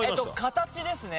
形ですね。